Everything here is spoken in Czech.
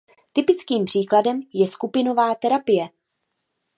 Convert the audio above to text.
Typickým příkladem je skupinová terapie.